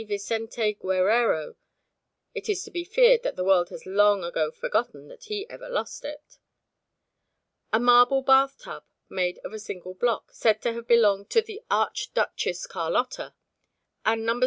Vicente Guerrero (it is to be feared that the world has long ago forgotten that he ever lost it), a "Marble Bath Tub made of a single block, said to have belonged to the Archduchess Carlotta," and "No.